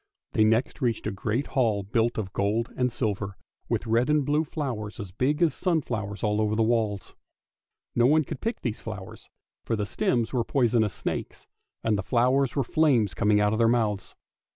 They next reached a great hall built of gold and silver, with red and blue flowers as big as sunflowers all over the walls. No one could pick these flowers, for the stems were poisonous snakes, and the flowers were flames coming out of their mouths.